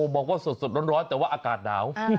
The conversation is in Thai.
บอกว่าสดร้อนแต่ว่าอากาศหนาว